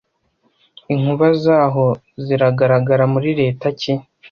Inkuba zaho ziragaragara muri leta ki